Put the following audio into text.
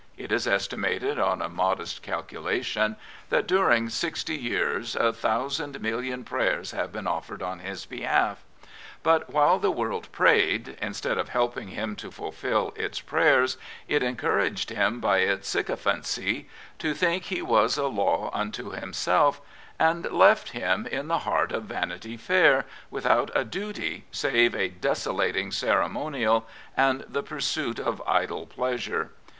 It is estimated on a modest calculation that during sixty years a thousand million prayers have been offered on his behalf. But while the world prayed, instead of helping him to fulfil its prayers it encouraged him by its sycophancy to tliink he was a law unto himself, and left him in the heart of Vanity Fair, without a duty save a desolating ceremonial and the pursuit of idle pleasure.